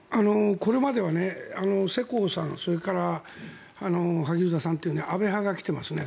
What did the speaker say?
これまでは世耕さん、それから萩生田さんという安倍派が来ていますね。